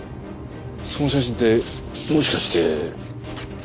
その写真ってもしかしてこれですか？